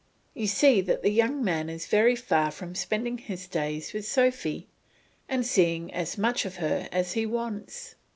You see that the young man is very far from spending his days with Sophy, and seeing as much of her as he wants.